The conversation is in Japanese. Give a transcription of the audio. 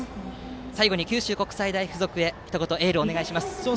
最後に九州国際大付属へひと言エールをお願いします。